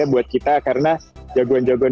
buat kita karena jagoan jagoan